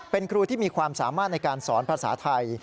เป็นครูที่มีความสามารถในการสอนภาษาไทย